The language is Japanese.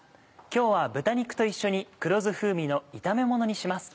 今日は豚肉と一緒に黒酢風味の炒めものにします。